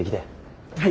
はい。